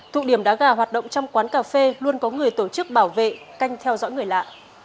thụ điểm đá gà hoạt động trong quán cà phê luôn có người tổ chức bảo vệ canh theo dõi người lạ